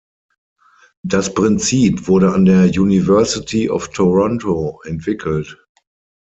Das Prinzip wurde an der University of Toronto entwickelt.